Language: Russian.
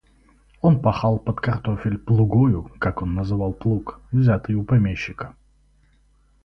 Он пахал под картофель плугою, как он называл плуг, взятый у помещика.